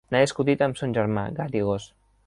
N'ha discutit amb son germà: gat i gos.